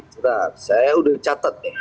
benar saya sudah catat nih